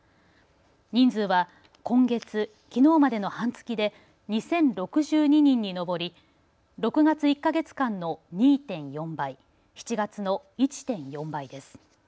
人数は今月、きのうまでの半月で２０６２人に上り、６月１か月間の２．４倍、７月の１．４倍倍です。